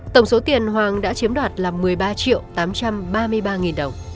tổng số tiền hoàng đã chiếm đoạt là một mươi ba triệu tám trăm ba mươi ba nghìn đồng